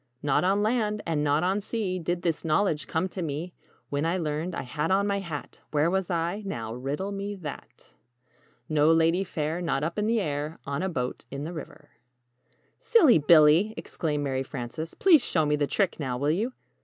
"Not on land, and not on sea Did this knowledge come to me. When I learned, I had on my hat Where was I? Now, riddle me that? No, lady fair, not up in the air On a boat in the river." [Illustration: "Oh, dear! Oh, oh, de ar!"] "Silly Billy!" exclaimed Mary Frances. "Please show me the trick now, will you?"